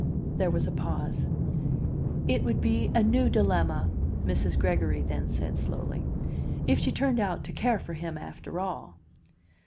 There was a pause. "It would be a new dilemma," Mrs. Gregory then said slowly, "if she turned out to care for him, after all."